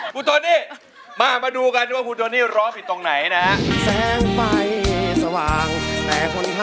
คุณโทนี่มาดูกันว่าคุณโทนี่ร้องผิดตรงไหนนะ